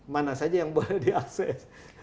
mana saja yang boleh diakses